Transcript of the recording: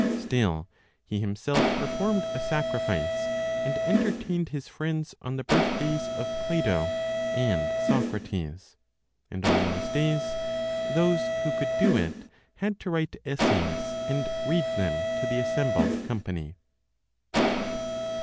Still he himself performed a sacrifice, and entertained his friends on the birth days of Plato and Socrates; and on those days those who could do it had to write essays and read them to the assembled company.